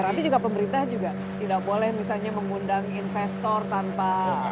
berarti juga pemerintah juga tidak boleh misalnya mengundang investor tanpa